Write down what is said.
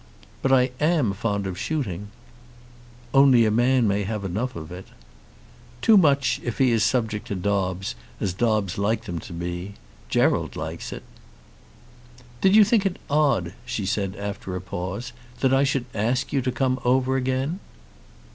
"But I am fond of shooting." "Only a man may have enough of it." "Too much, if he is subject to Dobbes, as Dobbes likes them to be. Gerald likes it." "Did you think it odd," she said after a pause, "that I should ask you to come over again?"